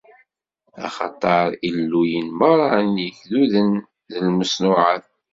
Axaṭer illuyen merra n yigduden d lmeṣnuɛat.